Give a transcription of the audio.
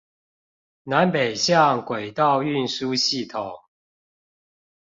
南北向軌道運輸系統